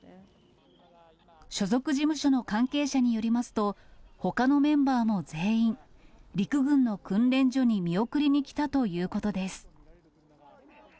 所属事務所の関係者によりますと、ほかのメンバーも全員、陸軍の訓練所に見送りに来たということです。